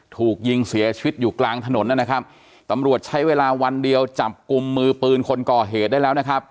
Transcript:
ถูกยิงเสียชีวิตอยู่กลางถนนนะครับตำรวจใช้เวลาวันเดียวจับกลุ่มมือปืนคนก่อเหตุได้แล้วนะครับ